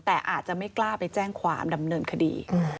แต่อาจจะไม่กล้าไปแจ้งความดำเนินคดี